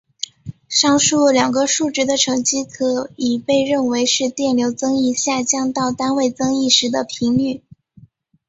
上述两个数值的乘积可以被认为是电流增益下降到单位增益时的频率。